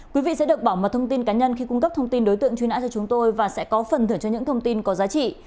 quý vị sẽ được bảo mật thông tin cá nhân khi cung cấp thông tin đối tượng truy nã cho chúng tôi và sẽ có phần thưởng cho những thông tin có giá trị